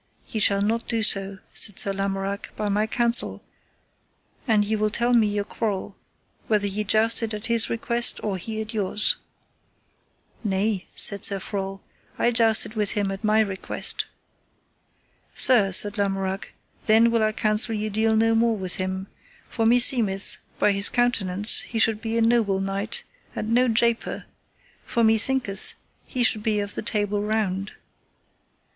Ye shall not do so, said Sir Lamorak, by my counsel, an ye will tell me your quarrel, whether ye jousted at his request, or he at yours. Nay, said Sir Frol, I jousted with him at my request. Sir, said Lamorak, then will I counsel you deal no more with him, for meseemeth by his countenance he should be a noble knight, and no japer; for methinketh he should be of the Table Round.